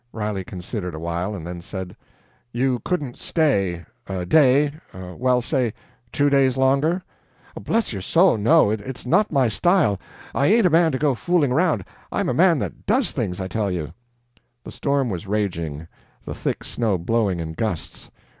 Riley considered a while, and then said: "You couldn't stay ... a day ... well, say two days longer?" "Bless your soul, no! It's not my style. I ain't a man to go fooling around I'm a man that DOES things, I tell you." The storm was raging, the thick snow blowing in gusts.